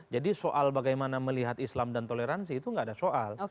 jadi soal bagaimana melihat islam dan toleransi itu tidak ada soal